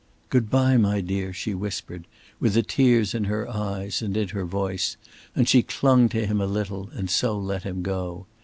"Good by, my dear," she whispered, with the tears in her eyes and in her voice, and she clung to him a little and so let him go.